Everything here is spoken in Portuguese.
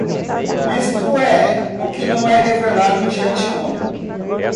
Isto é o que não é revelado de antemão.